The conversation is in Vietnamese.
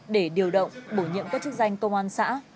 để điều động bổ nhiệm các chức danh công an xã